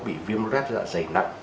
không có bị viêm rát dạ dày nặng